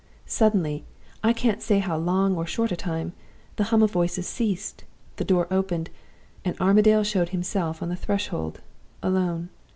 "Suddenly I can't say in how long or how short a time the hum of voices ceased; the door opened; and Armadale showed himself on the threshold, alone.